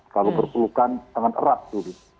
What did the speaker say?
kalau berkeluhkan sangat erat dulu